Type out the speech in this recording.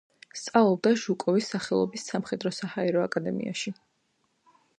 სწავლობდა ჟუკოვსკის სახელობის სამხედრო-საჰაერო აკადემიაში.